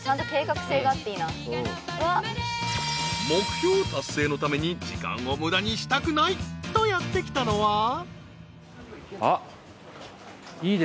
［目標達成のために時間を無駄にしたくないとやって来たのは］